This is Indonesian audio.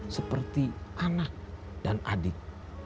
seperti anak dan adik